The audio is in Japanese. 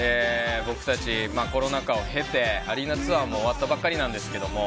僕たち、コロナ禍を経てアリーナツアーも終わったばかりなんですけど